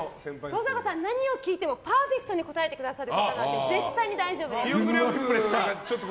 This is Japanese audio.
登坂さん、何を聞いてもパーフェクトに答えてくださるので絶対に大丈夫です。